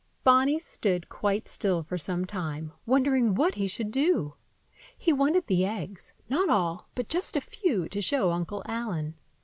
Bonny stood quite still for some time, wondering what he should do. He wanted the eggs,—not all, but just a few, to show Uncle Allen.